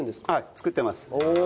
はい作ってます。